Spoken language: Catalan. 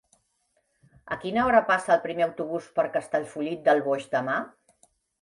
A quina hora passa el primer autobús per Castellfollit del Boix demà?